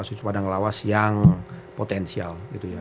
siswa siswa padang lawas yang potensial gitu ya